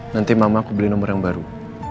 nanti mama aku beli nomor yang baru